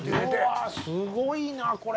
うわすごいなこれ。